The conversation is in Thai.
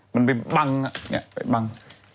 มันไปบัง